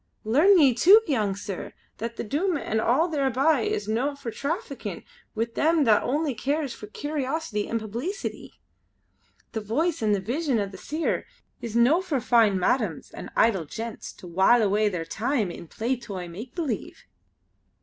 Learn ye too, young sir, that the Doom an' all thereby is no for traffickin' wi' them that only cares for curiosity and publeecity. The Voice and the Vision o' the Seer is no for fine madams and idle gentles to while away their time in play toy make believe!"